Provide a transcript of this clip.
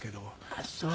ああそう。